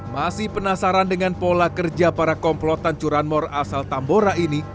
masih penasaran dengan pola kerja para komplotan curanmor asal tambora ini